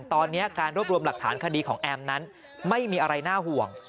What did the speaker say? ตอนนี้การรวบรวมหลักฐานคดีของแอมนั้นไม่มีอะไรน่าห่วง